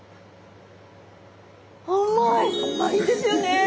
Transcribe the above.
甘いですよね。